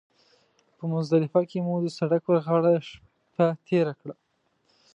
په مزدلفه کې مو د سړک پر غاړه شپه تېره کړه.